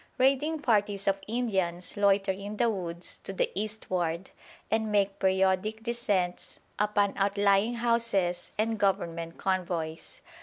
Raiding parties of Indians loiter in the woods to the eastward, and make periodic descents upon outlying houses and Government convoys.